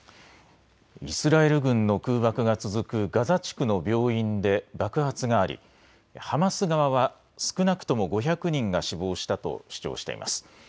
イスラエル軍の空爆が続くガザ地区の病院で爆発がありハマス側は少なくとも５００人が死亡したと主張しています。